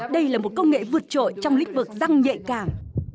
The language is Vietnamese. đây là một công nghệ vượt trội trong lĩnh vực răng nhạy cảm